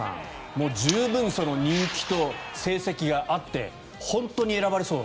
もう十分、人気と成績があって本当に選ばれそう。